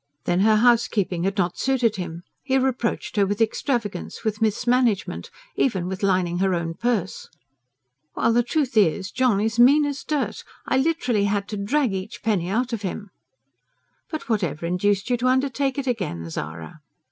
Then her housekeeping had not suited him: he reproached her with extravagance, with mismanagement, even with lining her own purse. "While the truth is, John is mean as dirt! I had literally to drag each penny out of him." "But what ever induced you to undertake it again, Zara?"